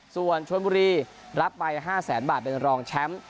ส่วนชนบุรีรับไป๕แสนบาทเป็นรองแชมป์